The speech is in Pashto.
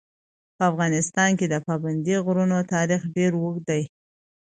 په افغانستان کې د پابندي غرونو تاریخ ډېر اوږد دی.